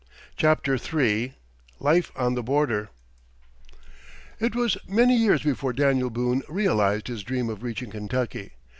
CHAPTER III LIFE ON THE BORDER It was many years before Daniel Boone realized his dream of reaching Kentucky.